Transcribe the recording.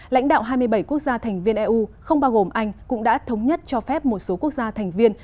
lãnh đạo hai mươi bảy quốc gia thành viên eu không bao gồm anh cũng đã thống nhất cho phép một số quốc gia thành viên